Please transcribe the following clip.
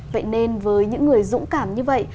vậy nên với những người dũng cảm như vậy